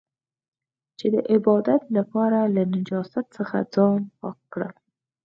چې د عبادت لپاره له نجاست څخه ځان پاک کړم.